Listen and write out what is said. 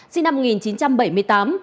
sinh năm một nghìn chín trăm bảy mươi tám